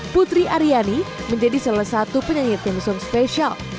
putri ariyani menjadi salah satu penyanyi theme song spesial